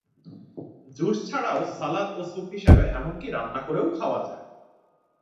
Juice ছাড়াও salad ও soup হিসেবে, এমনকি রান্না করেও খাওয়া যায়।